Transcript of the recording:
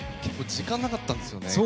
時間なかったんですよね。